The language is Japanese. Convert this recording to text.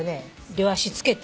両足つけて。